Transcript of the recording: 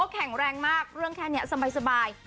แข็งแรงมากเรื่องแค่นี้สบาย